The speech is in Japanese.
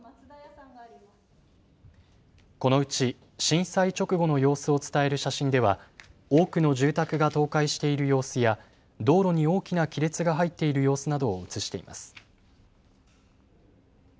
このうち震災直後の様子を伝える写真では多くの住宅が倒壊している様子や道路に大きな亀裂が入っている様子などを写しています。